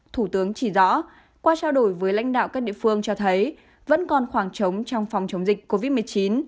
thủ tướng chỉ rõ qua trao đổi với lãnh đạo các địa phương cho thấy vẫn còn khoảng trống trong phòng chống dịch covid một mươi chín